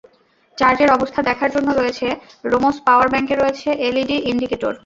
চার্জের অবস্থা দেখার জন্য রয়েছে রোমোস পাওয়ার ব্যাংকে রয়েছে এলইডি ইন্ডিকেটর।